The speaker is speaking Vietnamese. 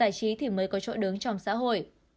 trí thì mới có chỗ đứng trong xã hội